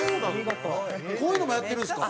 こういうのもやってるんですか？